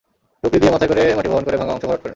টুকরি দিয়ে মাথায় করে মাটি বহন করে ভাঙা অংশ ভরাট করেন।